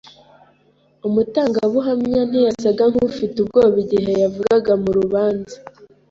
Umutangabuhamya ntiyasaga nkufite ubwoba igihe yavugaga mu rubanza.